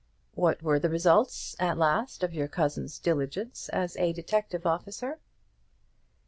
What were the results at last of your cousin's diligence as a detective officer?"